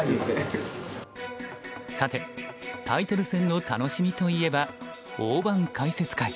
さてタイトル戦の楽しみといえば大盤解説会。